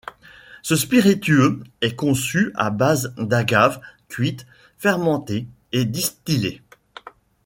Ce spiritueux est conçu à base d’agave cuite, fermentée et distillée.